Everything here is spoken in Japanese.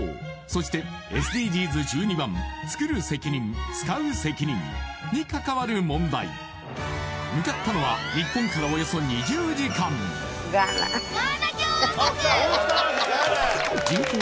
そしてＳＤＧｓ１２番「つくる責任つかう責任」に関わる問題向かったのは日本からおよそ２０時間人口